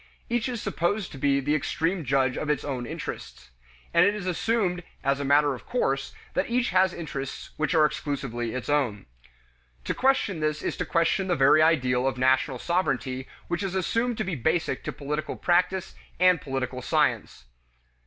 Each is supposed to be the supreme judge of its own interests, and it is assumed as matter of course that each has interests which are exclusively its own. To question this is to question the very idea of national sovereignty which is assumed to be basic to political practice and political science.